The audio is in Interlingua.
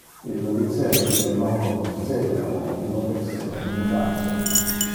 Ille diceva que ille non cognosceva le homine, lo que esseva un mendacio.